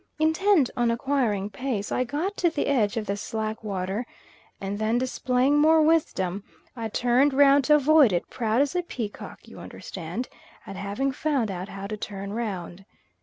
Intent on acquiring pace, I got to the edge of the slack water; and then displaying more wisdom, I turned round to avoid it, proud as a peacock, you understand, at having found out how to turn round.